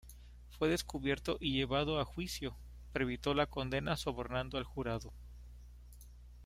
Fue descubierto y llevado a juicio, pero evitó la condena sobornando al jurado.